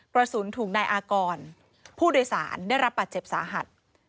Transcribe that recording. ประสุนถุงในอากรผู้โดยสารได้รับปัจเจ็บสาหัส